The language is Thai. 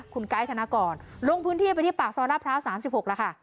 คุณไกด์ธนกรลงพื้นที่ไปที่ปากซอยลาดพร้าว๓๖แล้วค่ะ